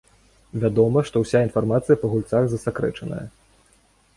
Вядома, што ўся інфармацыя па гульцах засакрэчаная.